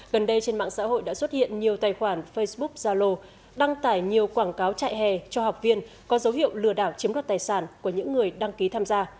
gần đây trên mạng xã hội đã xuất hiện nhiều tài khoản facebook zalo đăng tải nhiều quảng cáo chạy hè cho học viên có dấu hiệu lừa đảo chiếm đoạt tài sản của những người đăng ký tham gia